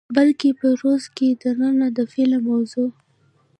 بلکې په روس کښې دننه د فلم د موضوع،